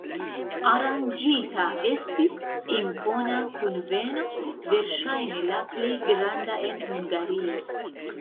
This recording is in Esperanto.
Aranĝita estis impona kunveno, verŝajne la plej granda en Hungario.